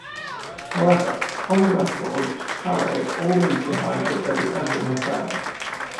However, on the record, Caray always denied that there was ever an affair.